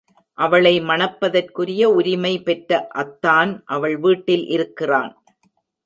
அவளை மணப்பதற்குரிய உரிமை பெற்ற அத்தான் அவள் வீட்டில் இருக்கிறான்.